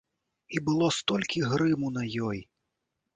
І было столькі грыму на ёй!